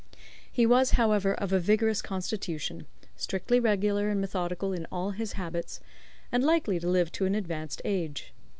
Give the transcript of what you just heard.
He was, however, of a vigorous constitution, strictly regular and methodical in all his habits, and likely to live to an advanced age.